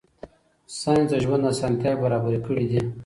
ساینس د ژوند اسانتیاوې برابرې کړې دي.